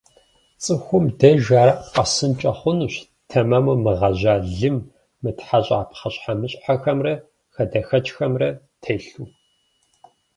Цӏыхум деж ар къэсынкӏэ хъунущ тэмэму мыгъэжьа лым, мытхьэщӏа пхъэщхьэмыщхьэхэмрэ хадэхэкӏхэмрэ телъу.